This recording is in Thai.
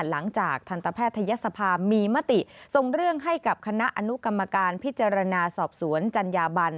หลังจากทันตแพทยศภามีมติส่งเรื่องให้กับคณะอนุกรรมการพิจารณาสอบสวนจัญญาบัน